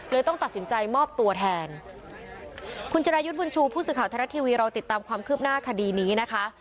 ต้องตัดสินใจมอบตัวแทนคุณจิรายุทธ์บุญชูผู้สื่อข่าวไทยรัฐทีวีเราติดตามความคืบหน้าคดีนี้นะคะ